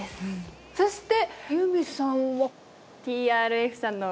そして結海さんは？